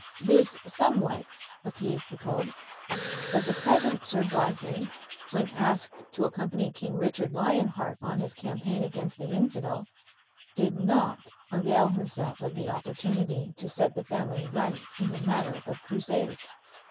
This somewhat appeased the Pope; but the present Sir Godfrey, when asked to accompany King Richard Lion Heart on his campaign against the Infidel, did not avail himself of the opportunity to set the family right in the matter of Crusades.